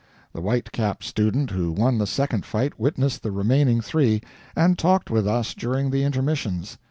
The white cap student who won the second fight witnessed the remaining three, and talked with us during the intermissions.